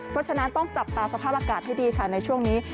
เพราะฉะนั้นต้องจับตาสภาพอากาศให้ดีค่ะในช่วงนี้